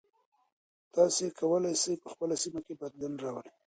تاسو کولای سئ په خپله سیمه کې بدلون راولئ.